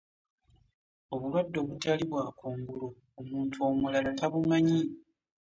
Obulwadde obutali bwa kungulu omuntu omulala tabumanyi .